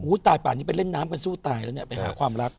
ตายป่านี้ไปเล่นน้ำกันสู้ตายแล้วเนี่ยไปหาความรัก